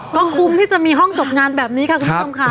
ก็คุ้มที่จะมีห้องจบงานแบบนี้ค่ะคุณผู้ชมค่ะ